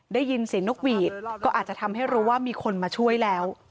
ได้ยินเสียงนกหวีดก็อาจจะทำให้รู้ว่ามีคนมาช่วยแล้ว